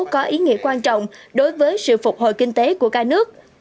có ý nghĩa quan trọng đối với sự phục hồi kinh tế của cả nước